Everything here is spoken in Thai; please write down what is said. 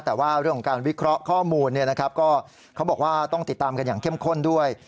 แต่ว่าเรื่องของการวิเคราะห์ข้อมูลก็เขาบอกว่าต้องติดตามกันอย่างเข้มข้นด้วย